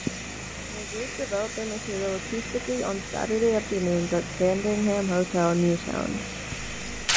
The group developed their material acoustically on Saturday afternoons at Sandringham Hotel, Newtown.